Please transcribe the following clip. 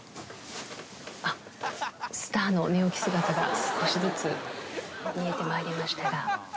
「スターの寝起き姿が少しずつ見えてまいりました」